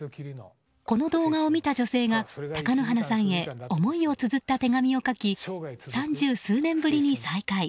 この動画を見た女性が貴乃花さんへ思いをつづった手紙を書き三十数年ぶりに再会。